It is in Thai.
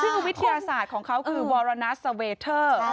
ซึ่งวิทยาศาสตร์ของเขาคือวรณัสสเวเทอร์